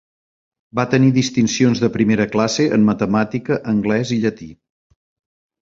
Va tenir distincions de primera classe en matemàtica, anglès i llatí.